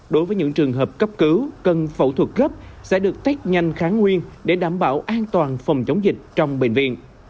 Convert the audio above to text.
đối với những trường hợp cấp cứu cần phẫu thuật gấp sẽ được test nhanh kháng nguyên để đảm bảo an toàn phòng chống dịch trong bệnh viện